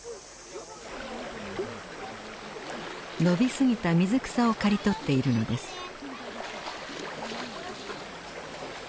伸びすぎた水草を刈り取っているのです。